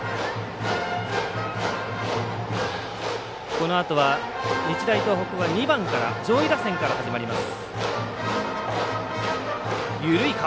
このあとは、日大東北は２番上位打線から始まります。